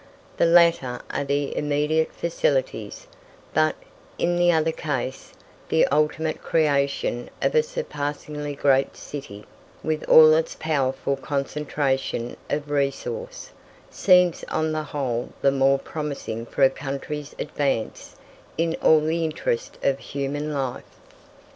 The latter are the immediate facilities; but, in the other case, the ultimate creation of a surpassingly great city, with all its powerful concentration of resource, seems on the whole the more promising for a country's advance in all the interests of human life.